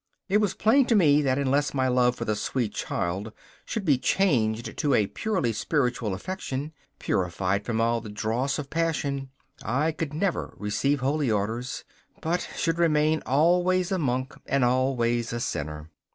It was plain to me that unless my love for the sweet child should be changed to a purely spiritual affection, purified from all the dross of passion, I could never receive holy orders, but should remain always a monk and always a sinner.